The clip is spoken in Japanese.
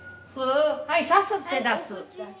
はいさすって出す。